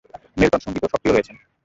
Melt in সঙ্গীতেও সক্রিয় রয়েছেন।